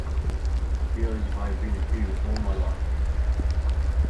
I feel as if I have been a Jew all my life.